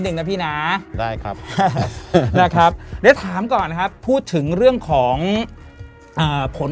หนึ่งนะพี่นะได้ครับแล้วถามก่อนครับพูดถึงเรื่องของผล